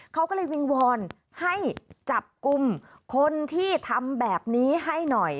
เขาก็เลยวิงวอนให้จับกลุ่มคนที่ทำแบบนี้ให้หน่อย